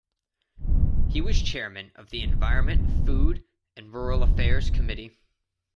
He was Chairman of the Environment, Food and Rural Affairs Committee.